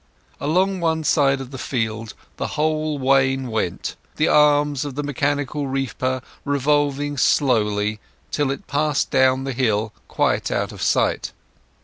Along one side of the field the whole wain went, the arms of the mechanical reaper revolving slowly, till it passed down the hill quite out of sight.